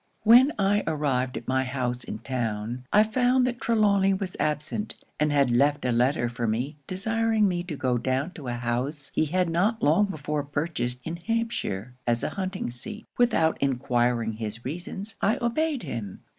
'When I arrived at my house in town, I found that Trelawny was absent, and had left a letter for me desiring me to go down to a house he had not long before purchased in Hampshire, as a hunting seat. Without enquiring his reasons, I obeyed him.